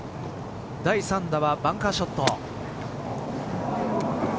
第３打はバンカーショット。